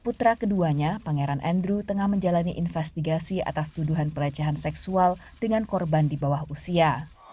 putra keduanya pangeran andrew tengah menjalani investigasi atas tuduhan pelecehan seksual dengan korban di bawah usia